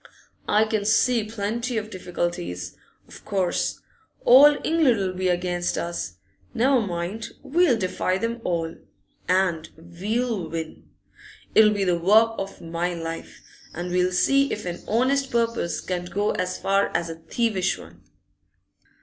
I can see plenty of difficulties, of course. All England 'll be against us. Never mind, we'll defy them all, and we'll win. It'll be the work of my life, and we'll see if an honest purpose can't go as far as a thievish one.